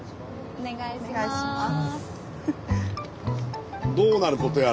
お願いします。